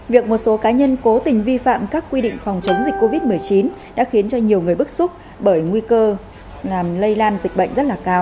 việc một số cá nhân cố tình vi phạm các quy định phòng chống dịch covid một mươi chín đã khiến cho nhiều người bức xúc bởi nguy cơ làm lây lan dịch bệnh rất là cao